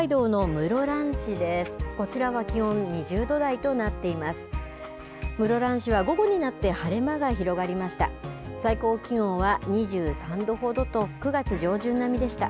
室蘭市は午後になって晴れ間が広がりました。